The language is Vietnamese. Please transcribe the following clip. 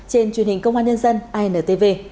trên truyền hình công an nhân dân antv